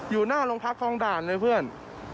อยู่หน้าโรงพักคลองด่านเลยเพื่อน